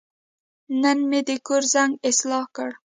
نن مې د کور زنګ اصلاح کړ.